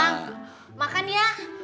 bang makan ya